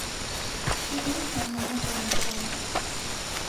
Ջրում սնվում է պլանկտոնով։